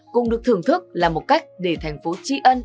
cùng được thưởng thức là một cách để thành phố tri ân